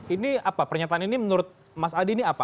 ini apa pernyataan ini menurut mas adi ini apa